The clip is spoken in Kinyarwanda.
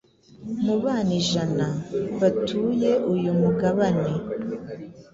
mu bana ijana batuye uyu mugabane